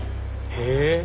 へえ！